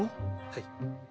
はい。